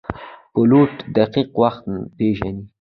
پیلوټ دقیق وخت پیژني.